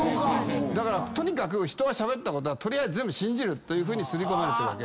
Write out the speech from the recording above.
だから人がしゃべったことは取りあえず全部信じると刷り込まれてるわけ。